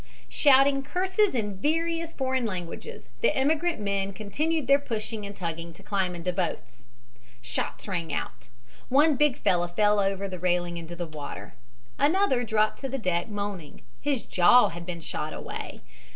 Shouting curses in various foreign languages, the immigrant men continued their pushing and tugging to climb into the boats. Shots rang out. One big fellow fell over the railing into the water. Another dropped to the deck, moaning. His jaw had been shot away.